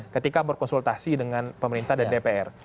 ketika berkonsultasi dengan pemerintah dan dpr